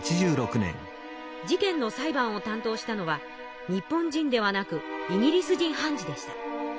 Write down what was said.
事件の裁判を担当したのは日本人ではなくイギリス人判事でした。